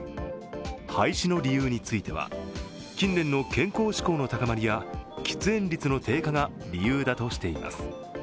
廃止の理由については、近年の健康志向の高まりや喫煙率の低下が理由だとしています。